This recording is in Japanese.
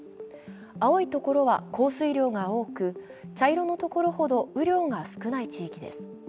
青いところは降水量が多く、茶色のところほど雨量が少ない地域です。